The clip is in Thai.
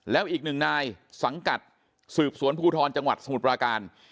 แล้วอีกหนึ่งนายสังกัดสืบสวนภูทรจังหวัดสมุทรปราการ